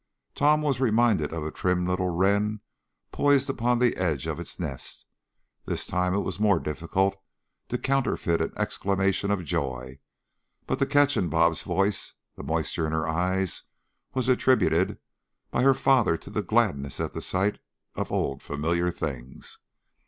Tom was reminded of a trim little wren poised upon the edge of its nest. This time it was more difficult to counterfeit an exclamation of joy, but the catch in "Bob's" voice, the moisture in her eyes, was attributed by her father to gladness at the sight of old familiar things.